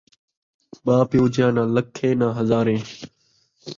ماء پیو ڄایا ، ناں لکھّیں ناں ہزاریں